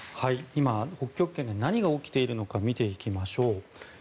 今、北極圏で何が起きているのか見ていきましょう。